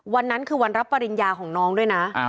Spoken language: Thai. วันนั้นคือวันรับปริญญาของน้องด้วยนะ